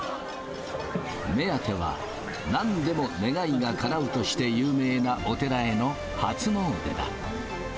目当ては、なんでも願いがかなうとして有名なお寺への初詣だ。